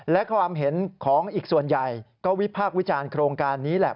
และความเห็นของอีกส่วนใหญ่ก็วิพากษ์วิจารณ์โครงการนี้แหละ